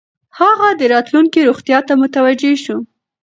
هغه د راتلونکې روغتیا ته متوجه شو.